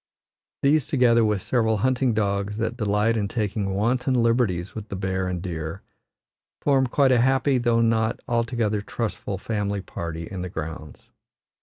These, together with several hunting dogs that delight in taking wanton liberties with the bear and deer, form quite a happy, though not altogether trustful family party in the grounds.